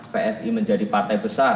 psi menjadi partai besar